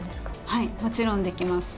はいもちろんできます。